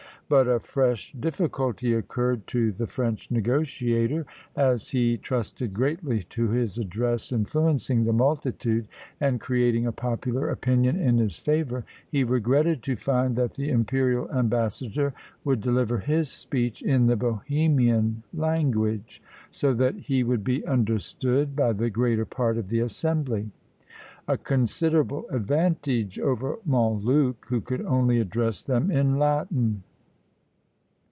But a fresh difficulty occurred to the French negotiator; as he trusted greatly to his address influencing the multitude, and creating a popular opinion in his favour, he regretted to find that the imperial ambassador would deliver his speech in the Bohemian language, so that he would be understood by the greater part of the assembly; a considerable advantage over Montluc, who could only address them in Latin.